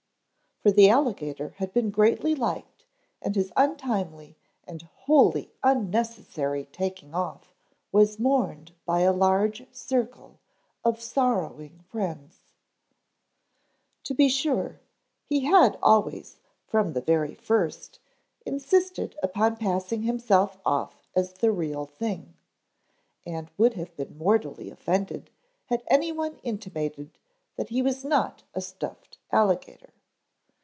For the alligator had been greatly liked and his untimely and wholly unnecessary taking off was mourned by a large circle of sorrowing friends. To be sure, he had always from the very first insisted upon passing himself off as the real thing, and would have been mortally offended had anyone intimated that he was not a stuffed alligator.